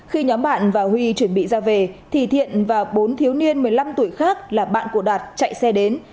khi nhóm bạn và huy chuẩn bị ra về thì thiện và bốn thiếu niên một mươi năm tuổi khác là bạn của đạt chạy xe đến